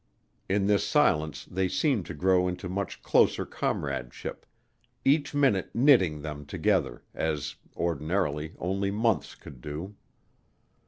In this silence they seemed to grow into much closer comradeship, each minute knitting them together as, ordinarily, only months could do.